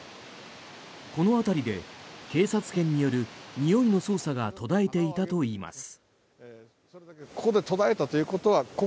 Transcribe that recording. この辺りで警察犬によるにおいの捜査が途絶えていたといいます。